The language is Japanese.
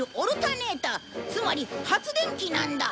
つまり発電機なんだ。